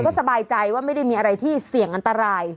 ก็สบายใจว่าไม่ได้มีอะไรที่เสี่ยงอันตราย